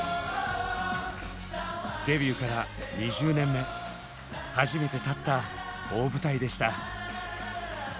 デビューから２０年目初めて立った大舞台でした。